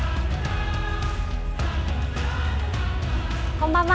こんばんは。